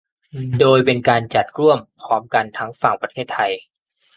โดยเป็นการจัดร่วมพร้อมกันทั้งฝั่งประเทศไทย